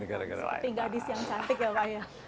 tinggal gadis yang cantik ya pak ya